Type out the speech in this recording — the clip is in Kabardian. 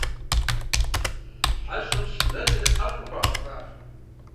ХьэщӀэм щынэлыр ӀэфӀу хуагъэващ.